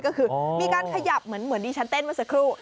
ก็คือมีการขยับเหมือนดิฉันเต้นเมื่อสักครู่